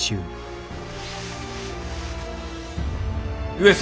上様。